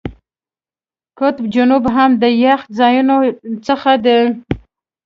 قطب جنوب هم د یخ ځایونو څخه دی.